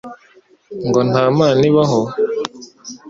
ngo Nta Mana ibaho»